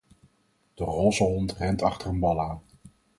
De roze hond rent achter een bal aan.